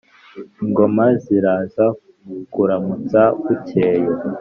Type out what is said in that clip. ingoma ziraza kuramutsa bucyeye.